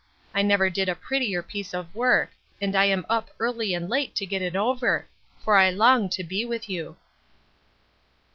I never did a prettier piece of work; and I am up early and late to get it over; for I long to be with you.